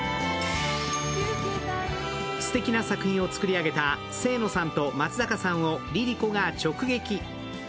すてきな作品を作り上げた清野さんと松坂さんをＬｉＬｉＣｏが直撃。